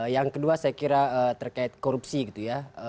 yang kedua saya kira terkait korupsi gitu ya